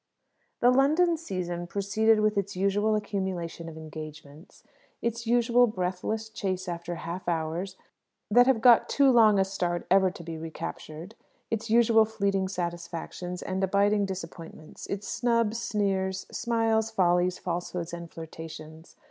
The London season proceeded with its usual accumulation of engagements, its usual breathless chase after half hours that have got too long a start ever to be recaptured, its usual fleeting satisfactions and abiding disappointments, its snubs, sneers, smiles, follies, falsehoods, and flirtations.